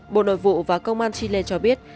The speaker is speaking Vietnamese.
bộ nội vụ và công an chile cho biết